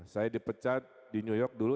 saya dipecat di new york dulu